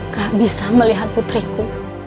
gak bisa melihat putriku